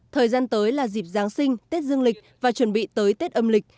thời gian tới là dịp giáng sinh tết dương lịch và chuẩn bị tới tết âm lịch